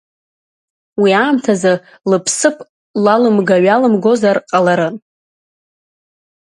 Уи аамҭазы лыԥсыԥ лалымга-ҩалымгозар ҟаларын.